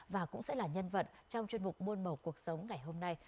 và cũng sẽ là nhân vật trong chuyên mục muôn màu cuộc sống ngày hôm nay